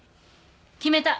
決めた。